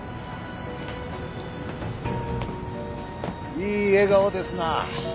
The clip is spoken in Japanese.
いい笑顔ですな。